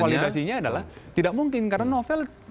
dan forum validasinya adalah tidak mungkin karena novel